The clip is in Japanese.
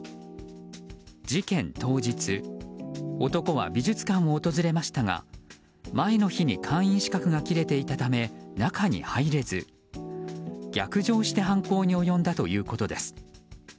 事件当日男は美術館を訪れましたが前の日に会員資格が切れていたため中に入れず逆上して犯行に及んだということです。